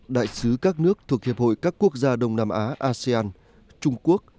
đại sứ các nước thuộc hiệp hội các quốc gia đông nam á asean trung quốc